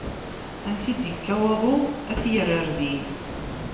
Ansi i d ikka waḍu, ad t-yerr ɣer din.